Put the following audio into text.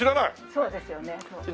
そうですよねそう。